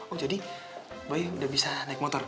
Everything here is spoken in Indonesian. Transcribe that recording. oh jadi bayi udah bisa naik motor